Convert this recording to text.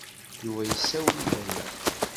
Yuba yessawel i Baya.